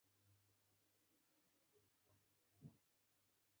زه نږدې دېرش کاله وروسته بیا مکې ته لاړم.